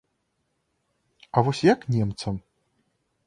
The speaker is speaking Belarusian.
А вось як немцам?